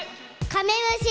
カメムシ。